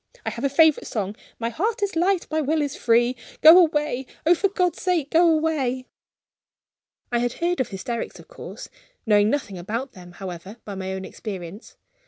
I have a favorite song: 'My heart is light, my will is free.' Go away! oh, for God's sake, go away!" I had heard of hysterics, of course; knowing nothing about them, however, by my own experience.